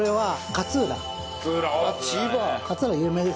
勝浦有名ですよ。